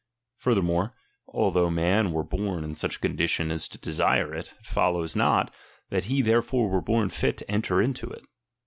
Furthermore, although man were born in such a condition as to desire it, it follows not, that he therefore were born fit to enter into it.